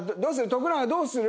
徳永どうする？